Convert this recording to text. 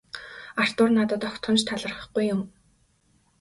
Артур надад огтхон ч талархахгүй юм.